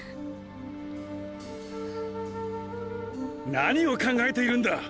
何を考えているんだ！